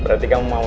berarti kamu mau